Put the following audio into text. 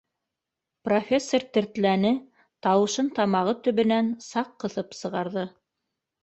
Профессор тертләне, тауышын тамағы төбөнән саҡ ҡыҫып сыгарҙы: